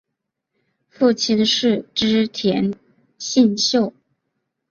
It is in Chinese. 父亲是织田信秀。